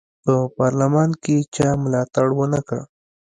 په پارلمان کې یې چا ملاتړ ونه کړ.